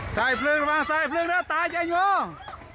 ใส่เพลิงละมาใส่เพลิงละตายจังหวง